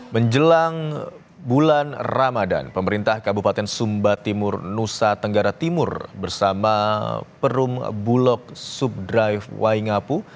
menjelang bulan ramadan pemerintah kabupaten sumba timur nusa tenggara timur bersama perum bulog subdrive waingapu